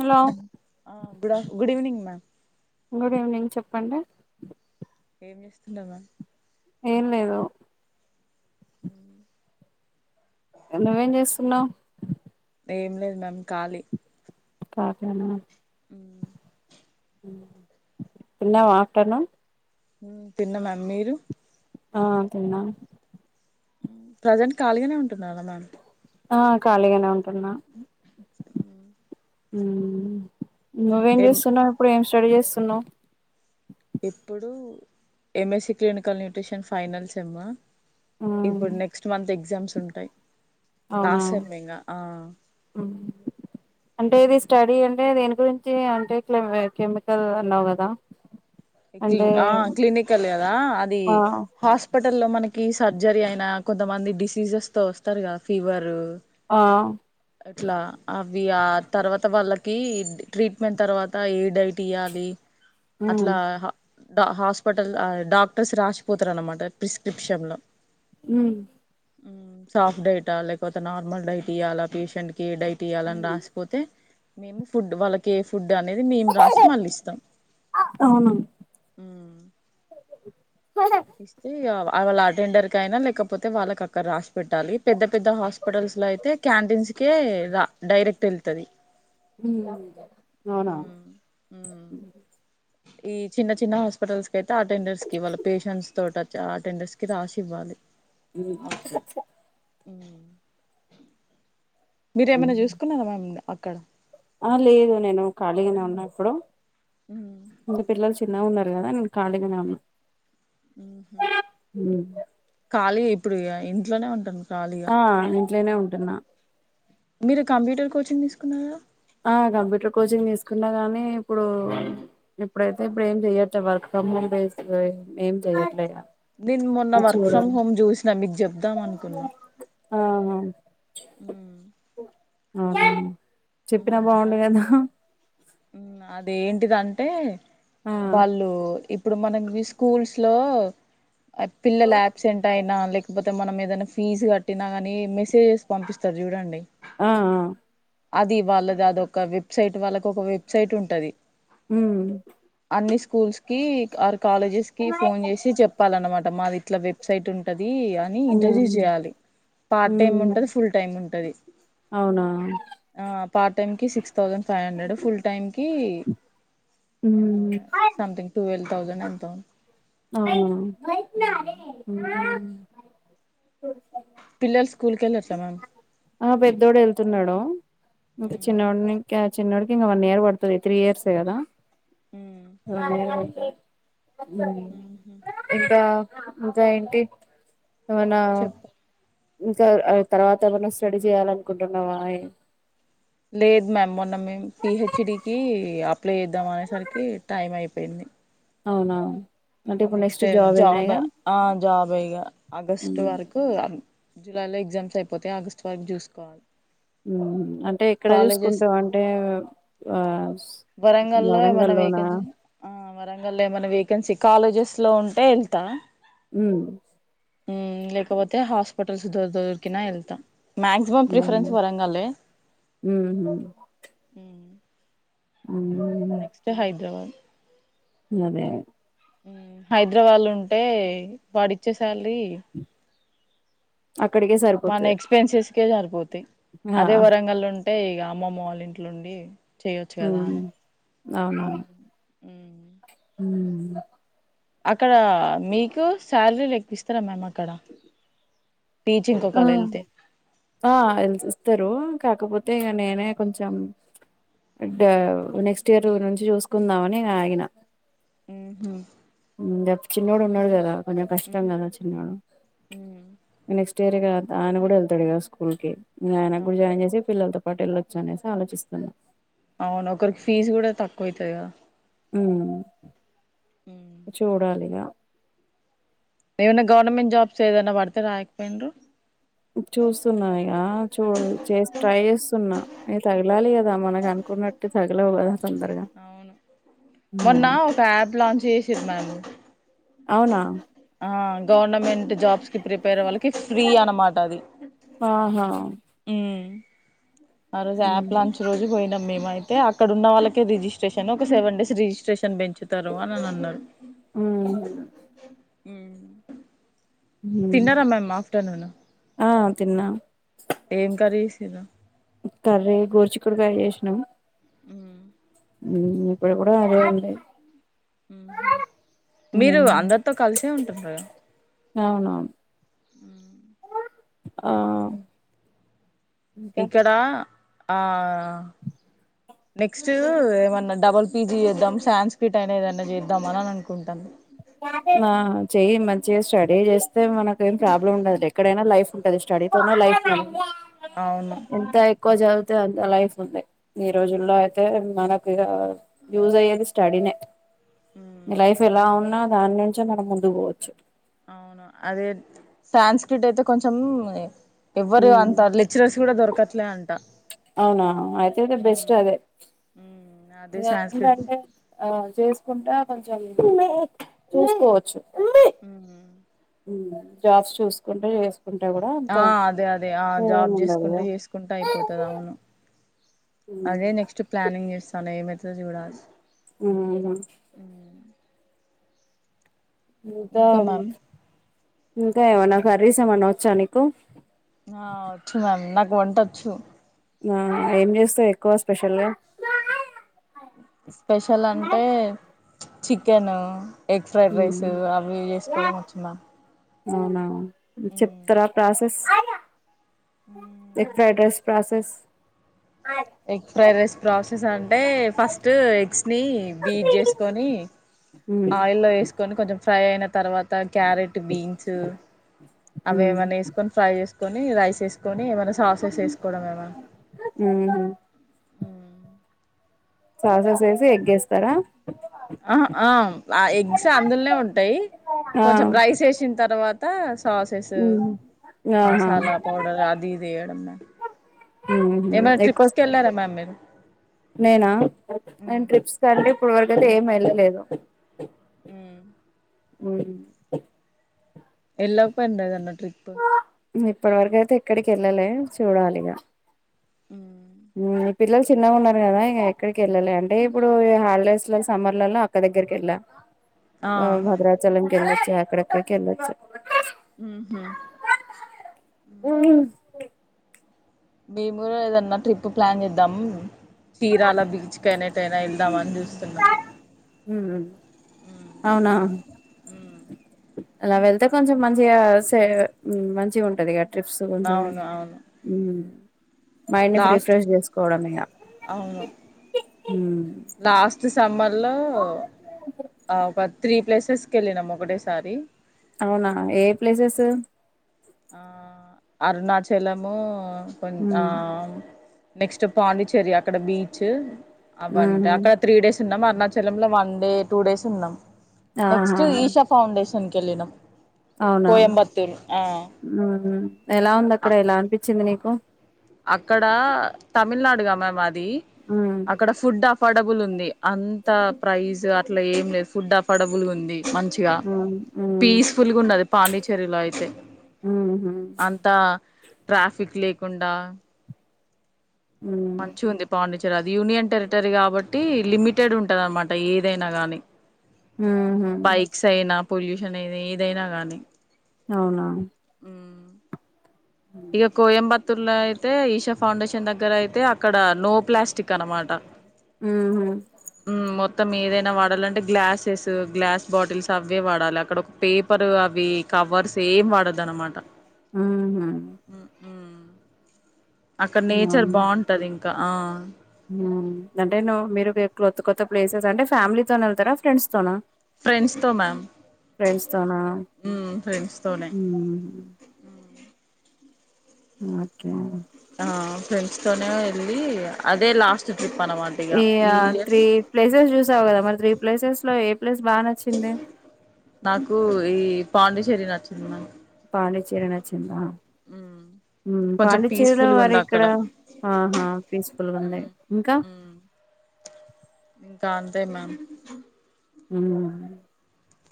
Hello ఆ గుడాఫ్ good evening ma'am good evening చెప్పండి ఏం చేస్తుండవా ఏం లేదు హ ఎందువేం చేస్తున్నా ఏం లేదు మ్యామ్ ఖాళీ కాకేనా ఉ తిన్నావా ఆఫ్టర్నూన్ తిన్న మ్యామ్ మీరు ఆ తిన్న ప్రజెంట్ ఖాళీగానే ఉంటున్నార మ్యామ్ ఆ ఖాళీగానే ఉంటున్నా మ్మ్ నువ్వేం చేస్తున్నావు ఇప్పుడేం స్టడీ చేస్తున్నావ్ ఇప్పుడు M S C clinical nutrition final sem మ్మ్ ఇప్పుడు నెక్స్ట్ మంత్ ఎగ్జామ్స్ ఉంటాయి అవునా లాస్ట్ సెమ్ ఇంగా ఆ అంటే ఇది స్టడీ అంటే గురించి అంటే ఇట్ల కెమికల్ అన్నావ్ గదా ఆ క్లినికల్ గదా అది ఆ హాస్పిటల్ లో మన సర్జరీ అయినా కొంతమంది డిసీజెస్ తో వస్తారు కా ఫీవరు ఆ ఇట్లా అవి ఆ తర్వాత వాళ్ళకి ట్రీట్మెంట్ తర్వాత ఏ డైట్ తీయాలి మ్మ్ అట్లా హాస్పిటల్ ఆ డాక్టర్స్ రాషిపోతారనమాట ప్రిస్క్రిప్షన్ లో మ్మ్ సాఫ్ట్ డైటా లేకపోతే నార్మల్ డైట్ ఇయ్యాలా పేషెంట్ డైట్ ఇయ్యాలని రాసిపోతే మేము ఫుడ్ వాళ్ళకే ఫుడ్ అనేది మేము రాసి మల్లిస్తం అవునా ఇస్తే ఆవా అవాళ్ళ అటెండర్ కయినా లేకపోతే వాళ్ళకి అక్కడ రాసి పెట్టాలి పెద్ద పెద్ద హాస్పిటల్స్ లో అయితే క్యాంటీన్స్ కే రా డైరెక్ట్ ఎల్తది అవునా ఈ చిన్న చిన్న హాస్పిటల్స్ కయితే అటెండర్స్ కి వాళ్ళ పేషెంట్స్ తోట చ అటెండర్స్కి రాశివ్వాల్లి ఉ అచ్చచ్చ ఉ మ్మ్ మీరేమైనా చూసుకున్నారా మ్యామ్ అక్కడ ఆ లేదు నేను ఖాళీగానే ఉన్న ఇప్పుడు ఇంగ పిల్లలు చిన్నగున్నర్ కదా నేను కాలిగానే ఉన్న ఖాళీ ఇప్పుడు ఇగ ఇంట్లోనే ఉంటుం ఆ ఇంట్లోనే ఉంటున్నా మీరు కంప్యూటర్ కోచింగ్ తీసుకున్నారా ఆ కంప్యూటర్ కోచింగ్ తీసుకున్నా గాని ఇప్పుడు ఇప్పుడైతే ఇప్పుడు ఏం చెయ్యట్లే వర్క్ ఫ్రమ్ హోమ్ బేస్ ఏం చెయ్యట్లేగ నేను మొన్న వర్క్ ఫ్రమ్ హోమ్ చూసినా మీకు చెప్దాం అనుకున్నా ఆహా ఉమ్ ఆ ఉ అదేంటిదంటే ఆ వాళ్ళు ఇప్పుడు మనకి జి స్కూల్స్ లో పిల్లలు ఆబ్సెంట్ అయినా లేకపోత్ తే మనం ఏదైనా ఫీజు కట్టినా గానీ మెసేజెస్ పంపిస్తారు చూడండి ఆ ఆ అది వాళ్ళది అదొక వెబ్సైట్ వాళ్ళకి ఒక వెబ్సైట్ ఉంటది ఉ అన్ని స్కూల్స్ కి ఆర్ కాలేజెస్ కి ఫోన్ చేసి చెప్పాలన్నమాట మాది ఇట్లా వెబ్సైట్ ఉంట ది అని ఇంటర్వ్యూ ఉమ్ చేయాలి పార్ట్ టైమ్ ఉమ్ ఉంటది ఫుల్ టైమ్ ఉంటది అవునా ఆ పార్ట్ టైమ్ కి six thousand five hundred full time కి ఎంతో ఉమ్ ఉన్నాయి సంథింగ్ ట్వెల్వ్ థౌజండ్ ఎంతో ఉమ్ అవ్నా పిల్లల్స్ ఆ పెద్దోడు ఎళ్తున్నాడు ఇంక చిన్నోడిని క్య చిన్నోడికి వన్ ఇయర్ పడుతది త్రీ ఇయర్సే కదా ఉ ఉహు ఇంకా ఇంకా ఏంటి ఏమన చెప్ప తర్ తర్వాత ఏమన్నా స్టడీ చేయాలనుకుంటున్నావాయే లేదు మ్యామ్ మొన్న మేము పిహెచ్డికి అప్లై చేద్దాం అనేసరికి టైం అయిపోయింది అవునా అంటే ఇప్పుడు నెక్స్ట్ ఏనా జాబ్ ఇగ ఆ జాబ్ ఇగ ఆగస్ట్ వరకు జులై లో ఎగ్జామ్స్ అయిపోతై ఆగస్ట్ వరకు చూసుకోవాలి అంటే ఎక్కడ కాలేజెస్ చూసుకుంటాం అంటే ఆ వరంగల్లో ఏమైన్నా వరంగల్లోనా వేకెన్సీ ఆ వరంగల్లో ఏమన్నా వేక్ వెకెన్సీ కాలేజెస్ లో ఉంటే ఎళ్తా ఉ ఉ లేకపోతే హాస్పిటల్స్ దొ దొరికినా ఎళ్తా మక్సిమం ఉమ్ ప్రిఫరెన్స్ వరంగళ్లే ఉమ్ అవును నెక్స్ట్ హైదరాబాద్ అదే హుమ్ హైదరాబాద్ లో ఉంటే వాడిచ్చే సాలరీ అక్కడికే సరిపోతది అక్కడికే సారిపోతాయి అదే ఆ వరంగల్ ఉంటే ఇగ అమ్మమ్మ వాళ్ళ ఇంట్లో ఉండి ఉమ్ అవునవును ఉమ్ అక్కడ మీకు శాలరీలు ఎక్కువ ఇస్తారా మ్యామ్ అక్కడ టీచింగ్ ఆ ఒకవేళ వెళ్తే ఆ ఎల్స్ ఇస్తారు కాకపోతే ఇగ నేనే కొంచెం బడ్ నెక్స్ట్ ఇయర్ నుంచి చూసుకుందామని ఇగ ఆగిన హు హు ఉమ్ చిన్నోడు ఉన్నాడు కదా కొంచెం కష్టం గదా చిన్నోడు నెక్స్ట్ ఇయర్ ఇగా ఆయన కూడా వెళ్తాడు కదా స్కూల్ కి ఆయన కూడా అవును జాయిన్ చేసి పిల్లలతో పాటు వెళ్ళొచ్చు అనేసి ఆలోచిస్తున్నా అవును ఒకరికి ఫీజు కూడా తక్కువ అవుతుంది కదా ఉమ్ చూడాలి ఇగా ఏమన్న గవర్నమెంట్ జాబ్స్ ఏదన్నా పడితే రాయకపోయిన్రు చూస్తున్నా ఇగ చూ చేస్ ట్రై చేస్తున్నా ఇగా తగలాలి క దా మనకు అనుకున్నట్టు తగలవు కదా తొందరగా అవును మొన్న హ్మ్. ఒక యాప్ లాంచ్ చేసిరు మ్యామ్ అవునా ఆ గవర్నమెంట్ జాబ్ కి ప్రిపేర్ వాళ్ళకి ఫ్రీ అన్నమాట అది ఆహా ఆ రోజు ఉమ్ యాప్ లాంచ్ రోజు పోయినం మేమైతే అక్కడ ఉన్నవాళ్లకే రిజిస్ట్రేషన్ ఒక సెవెన్ డేస్ రిజిస్ట్రేషన్ బెంచ్ తరు అని అని అన్నారు ఉమ్ తిన్నార మ్యామ్ ఆఫటర్నూన్ ఆ తిన్నా ఏం కర్రి చేసిర్రు కర్రీ గోరుచిక్కుడుకాయ చేసినం ఉ ఉమ్ ఇప్పుడు కూడా అదే ఉంది ఉమ్ హు మీరు అందరితో కలిసే ఉంటురుగా అవునవును ఆ ఇంకా ఇక్కడ ఆ నెక్స్ట్ ఏమన్నా డబల్ పీజీ చేద్దాం సాన్స్క్రిట్ అయినా ఏదన్నా చేద్దామని అని అనుకుంటాన ఆ చెయ్యి మంచిగా స్టడీ చేస్తే మనకి ఏం ప్రాబ్లమ్ ఉండదు ఎక్కడైనా లైఫ్ ఉంటది స్టడీతోనే లై ఫ్ అవును ఎంత ఎక్కువ చదు వుతే అంత లైఫ్ ఉంది ఈ రోజుల్లో అయితే మనకు ఇగా యూజ్ అయ్యేది స్టడీనే మీ లైఫ్ ఎలా ఉన్నా దాని నుంచే మనం ముందుకు పోవచ్చు అవును అదే సాన్స్క్రిట్ అయితే కొంచం ఎవ్వరూ ఉమ్ అంత లెక్చరర్స్ గూడ దొరకట్లే అంట అవునా ఆయితే ఆయితే బెస్ట్ అదే అదే ఇగా సాంస్క్రిట్ ఏంటంటే ఆ చేసుకుంటా కొంచెం ఈమే మే మే చూసుకోవచ్చు ఉమ్ హు ఉమ్మ్ జాబ్స్ చూసుకుంట చేస్ ఆ అదే అదే ఆ జాబ్ జేసుకుంటూ ఏముండదుగా జేసుకుంటా అయిపోతాది అవును ఉమ్ అదే నెక్స్ట్ ప్లానింగ్ జేస్తాన ఏమైతదో జూడాలి ఉమ్మ్ హు ఇంకా ఇంకా ఏమన్నా కర్రీస్ ఏమన్నా వచ్చా నీకు వంటొచ్చు అవున ఏం జేస్తావ్ ఎక్కువ స్పెషల్ గా స్పెషల్ అంటే చికెను ఎగ్ ఫ్రైడ్ ఉమ్ రైస్ అవి ఇవి జేసుకోవడం వచ్చు మామ్ అవునా చెప్తారా process egg fried rice process egg fried rice process అంటే ఫస్ట్ ఎగ్స్ నీ బీట్ జేసుకొని ఉమ్ ఆయిల్లో ఏసుకొని కొంచెం ఫ్రై అయిన తర్వాత త క్యారెట్ బీన్స్ ఉమ్ అవేవన్నా ఏసుకొని ఫ్రై జేసుకొని రైస్ ఏసుకొని మే ఏమన్నా సాస్స్ ఏసుకోవడం ఏమన్ ఉమ్ సాస్స్ ఏసి ఎగ్గేస్తారా ఆహా ఆ ఆ ఎగ్స్ అందుల్నే ఉంటాయి ఆ కొంచెం రైస్ ఏసిన్ తర్వాత త్త సాస్స్ ఉమ్ ఆహా మసాలా పౌడర్ అది ఇది ఏయడం ఉహు ఏమన్నా ఎక్కువ ట్రిప్స్కి వెళ్లారా మామ్ మీరు నేనా మ్మ్ నేన్ ట్రిప్స్ కంటే ఇప్పడి వరకు అయితే ఏం ఏళ్లలేదు మ్మ్ ఉమ్ ఎళ్లకపోయిన్రు ఏదన్నా ట్రిప్ ఇప్పడి వరకేయితే ఎక్కడికి ఏళ్లలే చూడాలిగా ఉమ్మ్ ఉమ్మ్ ఈ పిల్లలు చిన్నగా ఉన్నారు గదా ఇక ఎక్కడికి వెళ్లాలే అంటే ఇప్పుడు హాలిడేస్ ల సమ్మర్ల అక్క దెగ్ దెగ్గరికేళ్ళాం ఆ భద్రాచలంకేళ్ళొచ్చు అక్కడక్కడికి ఏళ్ళచ్చ ఉమ్ హు ఉ మేము గూడ ఏదన్నా ట్రిప్ ప్లాన్ చేద్దాం చీరాల బీచ్ కైన ఏటైనా ఏళ్ ద్దాం అని జూస్తున్నాం ఉ అవునా అలా వెళ్తే కొంచెం మంచిగా సే మంచి గుంటది గట్ ట్రిప్స్ కొంచెం అవును అవును మైండ్‌ని ఫ్రీ లాస్ట్ ఫ్రెష్ చేసుకోవడం ఇగ అవును ఉమ్మ్ లాస్ట్ సమ్మర్ లో ఆ పద్ త్రీ ప్లేసెస్‌కి కేళ్లినాం ఒకటేసారి అవునా ఏ ఏ ప్లేసెసు ఆ అరుణాచలము కొంచ్ ఆ హ్మ్. నెక్స్ట్ పాండిచ్చేరి అక్కడ బీచ్ అవటం హుహు. అక్కడ త్రీ డేస్ తిన్నాం అరుణాచలంల వన్ డే టూ డేస్ ఉన్నాం ఆహా నెక్స్ట్ ఈషా ఫౌండేషన్ [unintelligible] కోయంబత్తూర్ ఆ ఉ ఎలా ఉంది అ అక్కడ ఎలా అనిపించిది నీకు అక్కడ తమిళనాడు గా మ్యామ్ అది అవునా అక్కడ ఫుడ్ అ అఫోర్డబుల్ ఉంది అంత ప్రైజ్ అట్లా ఏం లేదు ఫుడ్ అఫోర్డబుల్ ఉంది మంచిగా అవునా పీస్ఫుల్గా ఉండది పాండిచ్చేరిలో అయితే హుహు. అంతా ట్రాఫిక్ లేకుండ మంచి ఉంది పాండి చె అది యూనియన్ టెరిటరీ కాబట్టి లిమిటెడ్ ఉంటది అనమాట ఏదైనా గాని హు పొల్యూషన్ అయిది ఏదైనా కానీ అవునా ఇగ కోయంబత్తూర్ లో అయితే ఈషా ఫౌండేషన్ దగ్గర అయితే అక్కడ నో ప్లాస్టిక్ అనమాట ఊ మ్మ్ మొత్తం ఏదైన వాడాలంటే గ్లాసెస్ గ్లాస్ బాటిల్స్ అవే వాడాలి అక్కడ ఒక పేపర్ అవి కవర్స్ ఏం వాడద్దు అనమాట హు హు అక్కడ నేచర్ అవును. బాగుంటది ఇంకా ఆ అంటే మీరు కొత్త కొత్త ప్లేసెస్ అంటే ఫ్యామిలీతోనే వెళ్తారా ఫ్రెండ్స్ తోన ఫ్రెండ్స్ తో మ్యామ్ ఫ్రెండ్స్ తోన మ్మ్ ఫ్రెండ్స్ తోనే [inaudible] ఓకే ఆ ఫ్రెండ్స్ తోనే వెళ్ళి అదే లాస్ట్ ట్రిప్ అనమాట ఇగ ఈ ఇయర్ తీ ప్లేసెస్ చు త్రీ ప్లేసెస్ లో ఏ ప్లేస్ బాగ నచ్చింది నాకు ఈ పాండిచ్చేరి నచ్చింది మ్యమ్ పాండిచరి నచ్చింద ఉ పాండిచ్చేరిలో వారి ఇక్కడ ఆహా పీస్ ఫుల్ల్గ ఉంది మ్మ్ ఇంకా మ్మ్ ఇంకా అంతే మ్యామ్ ఉ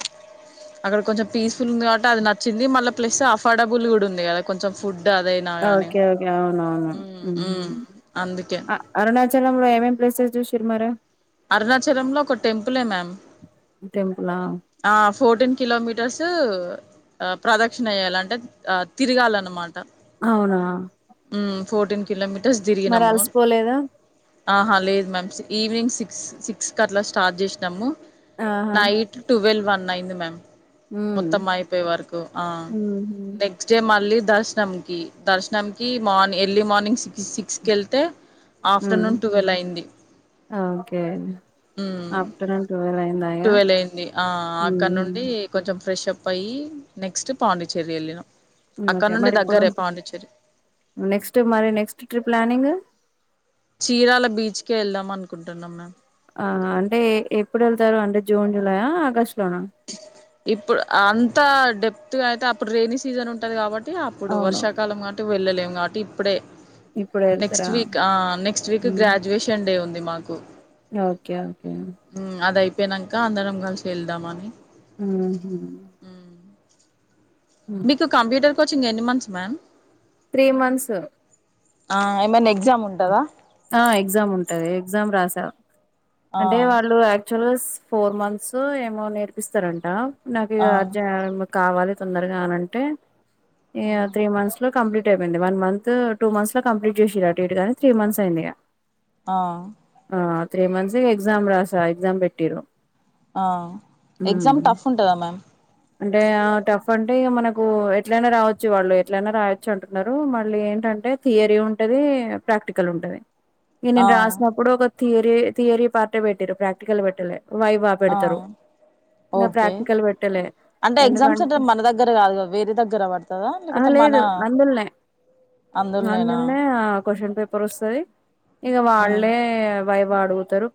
[inaudible] అక్కడ కొంచెం పీస్ఫుల్ ఉంది కాబట్టి అది నచ్చింది మళ్ళీ ప్లస్ అఫడబుల్ కూడ ఉంది కదా కొంచెం ఫుడ్ అదైనా గానీ ఓకే ఒకే అవును అవును మ్మ్ మ్మ్ అందుకే అరుణచలంలో ఏమేం ప్లేసెస్ చుసిరు మరి అరుణచలంలో ఒక టెంపులే మ్యామ్ టెంపులా ఆ ఫోర్టీన్ కిలోమీటర్స్ ఆ ప్రదక్షణ ఎయాలి అంటే తిరగాలన్మాట అవునా ఫోటీన్ కిలో మరి అలసిపోలేద ఆహా లేదు మ్యామ్ ఈవినింగ్ సిక్స్ సిక్స్కి అట్ల స్టార్ట్ చేసినాము ఆహా నైట్ ట్వెల్వ్ వన్ అయింది మ్యామ్ హ్మ్ మొత్తం అయిపోయే వరకు ఉహు నెక్స్ట్ డే మళ్ళీ దర్శనం కి దర్శనం కి మార్ని ఎర్లీ మార్నింగ్ సిక్ సిక్స్ కెళ్తే ఉమ్ ఆఫ్టర్నూన్ టువెల్ అయింది. ఓకే ఉమ్, ఆఫ్టర్నున్ ట్వెల్వ్ అయిందా ఇయా ట్వెల్వ్ అయింది ఆ అక్కడ నుండి కొంచెం ఫ్రెష్ప్ అయ్యి నెక్స్ట్ పాండిచ్చేరి ఎళ్ళినం. ఓకే మరిప్పుడు నెక్స్ట్ మరి నెక్స్ట్ ట్రిప్ ప్లానింగ్? చీరాల బీచ్కే ఎళ్దాం అనుకుంటున్నం మేమ్ ఆ అంటే ఏ ఎప్పుడు ఎళ్తారు అంటే జూన్ జులాయా, ఆగస్టు లోనా? ఇప్పుడు ఆ అంత డెప్త్ గా అయితే అప్పుడు రెయినీ సీజన్ ఉంటది కాబట్ టే అప్పుడు అవును వర్షాకాలం కాబట్టి వెళ్ళలేము కాబట్టి ఇప్పుడే ఇప్పుడే నెక్స్ట్ వెళ్తారా వీక్ ఆ నెక్స్ట్ వీక్ ఉమ్ గ్రాడ్యుయేషన్ డే ఉంది మాకు. Okay okay. యినంక అందరం కలిసి ఎళ్దామని. ఆహ మీకు కంప్యూటర్ కోచింగ్ ఎన్ని మంత్స్ మ్యామ్? త్రీ మంత్స్ ఆ ఏమన్నా ఎగ్జామ్ ఉంటదా? ఆ ఎగ్జామ్ ఉంటది, ఎగ్జామ్ రాసా. ఆ అంటే వాళ్ళు యాక్చువల్ గా ఫోర్ మంత్స్ ఏమో నేర్పిస్తరంట నాకు ఇగ ఆ అర్జె కావాలి తొందరగా అనంటే ఇగ త్రీ మంత్స్ లో కంప్లీట్ అయిపోయింది వన్ మంత్ టూ మంత్స్ లో కంప్లీట్ చేసిర్రట ఇటు గానీ త్రీ మంత్స్ అయింది ఇగ ఆ ఆ త్రీ మంత్స్ ఇగ ఎగ్జామ్ రాసా, ఎగ్జామ్ పెట్టిర్రు. ఆ ఎగ్జామ్ టఫ్ ఉంటదా మ్యామ్? అంటే ఆ టఫ్ అంటే మనకు ఎట్లయినా రావచ్చు, వాళ్ళు ఎట్లయిన రాయచ్చు అంటున్నారు, మళ్ళీ ఏంటంటే థియరీ ఉంటది, ప్రాక్టికల్ ఉంటది. ఇగ ఆ నేను రాసినప్పుడు ఒక థియరీ థియరీ పార్టే పెట్టిరు, ప్రాక్టికల్ పెట్టలే. వైవా ఆ బెడతరు, ఇంగ ఓకే ప్రాక్టికల్ పెట్టలే. అంటే ఎగ్జామ్స్ అంటే ఎందుకంటే మన దగ్గర కాదుగా, వేరే దగ్గర పడుతదా ఆహా లేకపోతే మన లేదు అందులోనేనా అందుల్నే ఆ క్వశ్చన్ పేపర్ వస్తది ఇగ ఉమ్. వాళ్లే వైవ అడుగుతరు.